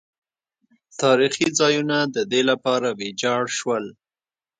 تاریخي ځایونه د دې لپاره ویجاړ شول.